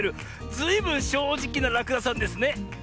ずいぶんしょうじきならくださんですね。